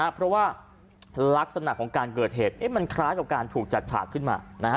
เพราะว่าลักษณะของการเกิดเหตุมันคล้ายกับการถูกจัดฉากขึ้นมานะฮะ